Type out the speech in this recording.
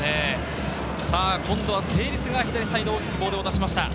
今度は成立が左サイド、大きくボールを出しました。